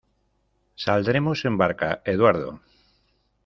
Saldremos en barca, Eduardo.